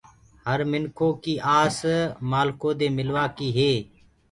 هر منکو ڪي آس مآلکو دي ملوآ ڪي هي۔